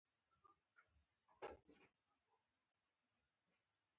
خان رسول خان کره پيدا شو ۔